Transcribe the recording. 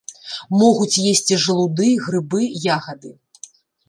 Могуць есці жалуды, грыбы, ягады.